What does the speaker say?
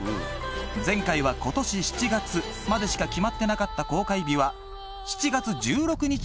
前回は「今年７月」までしか決まってなかった公開日は